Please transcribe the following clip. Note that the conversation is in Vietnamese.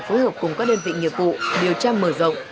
phối hợp cùng các đơn vị nghiệp vụ điều tra mở rộng